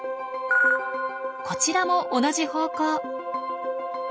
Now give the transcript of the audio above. こちらも同じ方向。